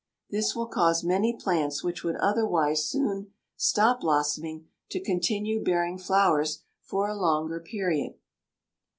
This will cause many plants which would otherwise soon stop blossoming to continue bearing flowers for a longer period.